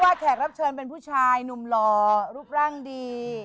แขกรับเชิญเป็นผู้ชายหนุ่มหล่อรูปร่างดี